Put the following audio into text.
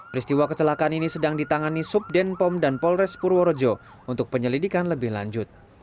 peristiwa kecelakaan ini sedang ditangani subden pom dan polres purworejo untuk penyelidikan lebih lanjut